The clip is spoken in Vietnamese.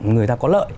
người ta có lợi